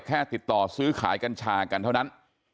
แค่ติดต่อซื้อขายกัญชากันเท่านั้น